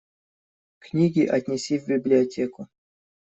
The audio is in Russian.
Книги отнеси в библиотеку.